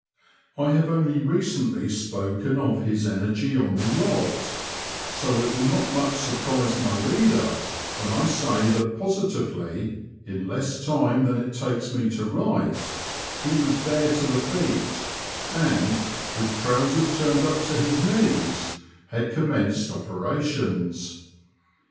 I have only recently spoken of his energy on the yacht, so it will not much sur prise my reader when I say that positively, in less time than it takes me to write, he was bare to the feet, and, with trousers turned up to his knees, had commenced operations.